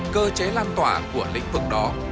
cơ chế lan tỏa của lĩnh vực đó